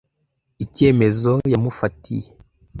Icyemezo yamufatiye.